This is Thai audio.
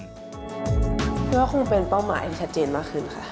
เพื่อคงเป็นเป้าหมายที่ชัดเจนมากขึ้นค่ะ